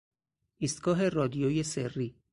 ایستگاه رادیوی سری